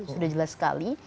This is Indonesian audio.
sudah jelas sekali